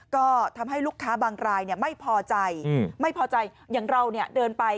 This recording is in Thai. ก็ทำให้ลูกค้าบางรายไม่พอใจไม่พอใจอย่างเราเดินไป